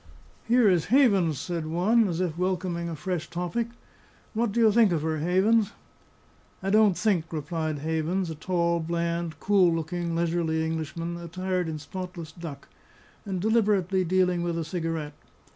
"Here is Havens," said one, as if welcoming a fresh topic. "What do you think of her, Havens?" "I don't think," replied Havens, a tall, bland, cool looking, leisurely Englishman, attired in spotless duck, and deliberately dealing with a cigarette.